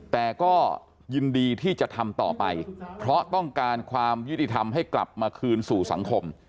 แต่ก็ยินดีที่จะทำต่อไปเพราะต้องการความยุติธรรมให้กลับมาคืนสู่สังคม